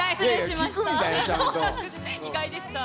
意外でした。